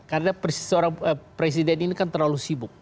karena seorang presiden ini kan terlalu sibuk